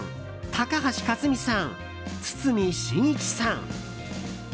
高橋克実さん、堤真一さん。